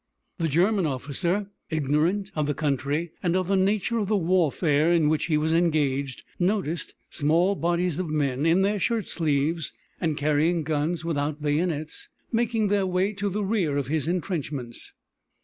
The German officer, ignorant of the country and of the nature of the warfare in which he was engaged, noticed small bodies of men in their shirtsleeves, and carrying guns without bayonets, making their way to the rear of his intrenchments.